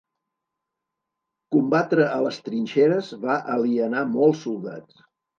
Combatre a les trinxeres va alienar molts soldats.